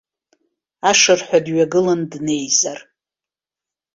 Ашырҳәа дҩагылан днеизар.